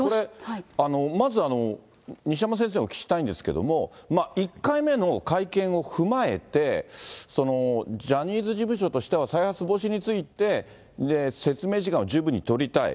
まず、西山先生にお聞きしたいんですけれども、１回目の会見を踏まえて、ジャニーズ事務所としては再発防止について説明時間を十分に取りたい。